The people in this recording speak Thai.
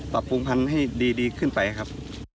ปรับปรุงพันธุ์ให้ดีขึ้นไปครับ